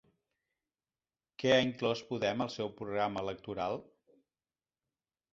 Què ha inclòs Podem al seu programa electoral?